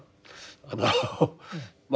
あのまあ